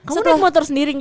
kamu naik motor sendiri gak